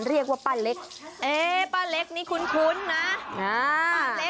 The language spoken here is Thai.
เรียกว่าป้าเล็กป้าเล็กนี่ขุนนะ